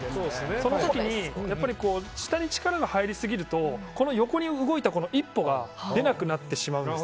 その時に、下に力が入りすぎると横に動いた一歩が出なくなってしまうんです。